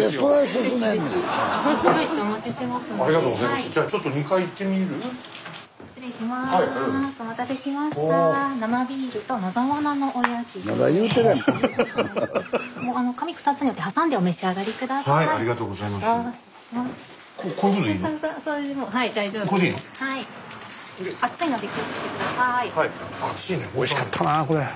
スタジオおいしかったなこれ。